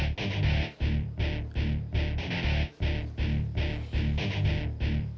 aku gak mau pulang kalau kamu belum masuk